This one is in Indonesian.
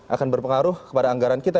akan berpengaruh kepada anggaran kita